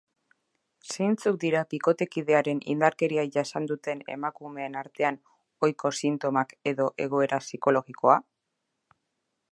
Zeintzuk dira bikotekidearen indarkeria jasan duten emakumeen artean ohiko sintomak edo egoera psikologikoa?